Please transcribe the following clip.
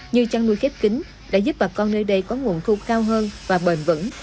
như chăn nuôi khép kính đã giúp bà con nơi đây có nguồn thu cao hơn và bền vững